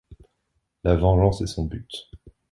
La vengeance est son but.